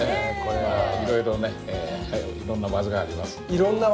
いろいろねいろんな技がありますんで。